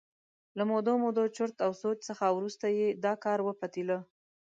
له مودو مودو چرت او سوچ څخه وروسته یې دا کار وپتېله.